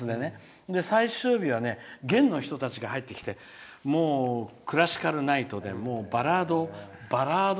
最終日は弦の人たちが入ってきてもう、クラシカルナイトでバラード